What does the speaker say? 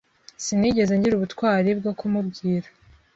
Sinigeze ngira ubutwari bwo kumubwira.